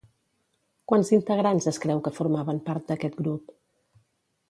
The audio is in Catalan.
Quants integrants es creu que formaven part d'aquest grup?